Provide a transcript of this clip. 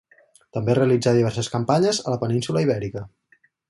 També realitzà diverses campanyes a la península Ibèrica.